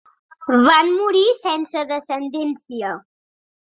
Van morir sense descendència.